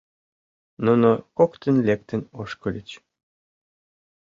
Нуно коктын лектын ошкыльыч.